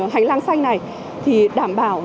hành lang xanh này thì đảm bảo